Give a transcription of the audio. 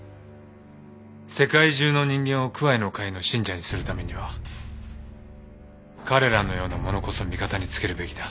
世界中の人間をクアイの会の信者にするためには彼らのような者こそ味方につけるべきだ。